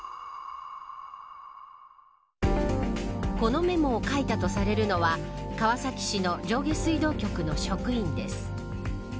このメモを書いたとされるのは川崎市の上下水道局の職員です。